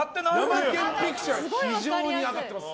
ヤマケン・ピクチャー非常に上がってます。